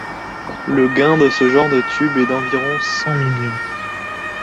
Le gain de ce genre de tube est d'environ cent millions.